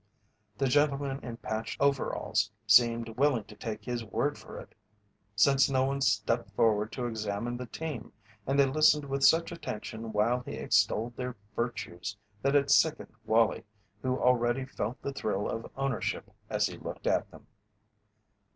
The gentlemen in patched overalls seemed willing to take his word for it, since no one stepped forward to examine the team, and they listened with such attention while he extolled their virtues that it sickened Wallie, who already felt the thrill of ownership as he looked at them.